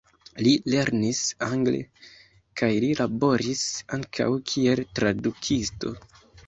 Li lernis angle kaj li laboris ankaŭ, kiel tradukisto.